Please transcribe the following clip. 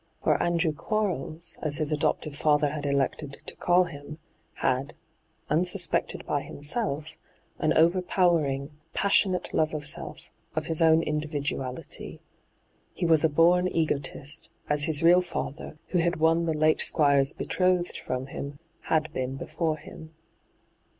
For Andrew Quarles, aa his adoptive bther had elected to call him, had, unsuspected by himself, an overpowering, passionate love of self, of his own individuality. He was a born egotist, as his real father, who had woo the late Squire's betrothed from him, had been before him.